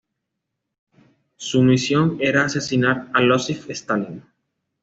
Su misión era asesinar a Iósif Stalin.